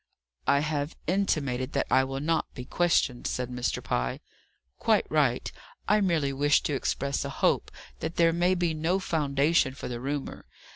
"I have intimated that I will not be questioned," said Mr. Pye. "Quite right. I merely wished to express a hope that there may be no foundation for the rumour.